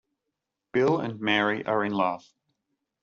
Bill and Mary are in love.